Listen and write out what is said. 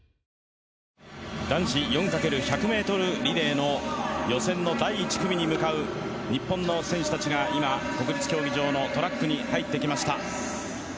男子４×１００ｍリレーの予選の第１組に向かう日本の選手たちが今、国立競技場のトラックに入ってきました。